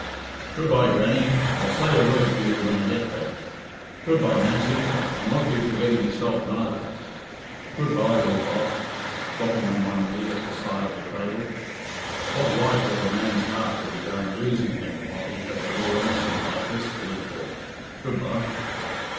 "Good bye, Grannie; I'll say a word for you when I get there. Good bye, Nancy; I'll not be forgetting yourself neither. Good bye, lil bogh," dropping on one knee at the side of the cradle. "What right has a man's heart to be going losing him while he has a lil innocent like this to live for? Good bye!"